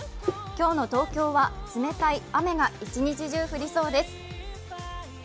今日の東京は冷たい雨が一日中降りそうです。